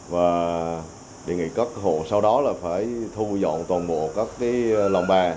và đề nghị các hộ sau đó là phải thu dọn toàn bộ các cái lồng bè